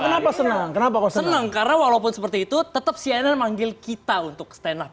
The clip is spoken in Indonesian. kenapa senang kenapa kok senang karena walaupun seperti itu tetap cnn manggil kita untuk stand up